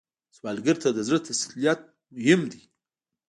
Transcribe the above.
سوالګر ته د زړه تسلیت مهم دی